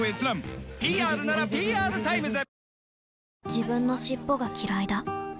自分の尻尾がきらいだ